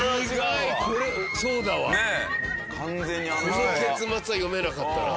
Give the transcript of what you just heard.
この結末は読めなかったな。